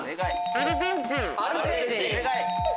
アルゼンチン。